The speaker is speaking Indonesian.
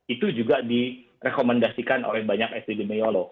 itu juga direkomendasikan oleh banyak sdb meolo